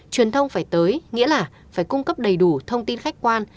truyền thông phải tới nghĩa là phải cung cấp đầy đủ thông tin khách quan